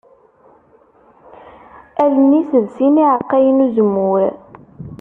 Allen-is d sin n yiɛeqqayen n uzemmur.